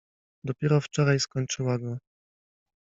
Dopiero wczoraj skończyła go.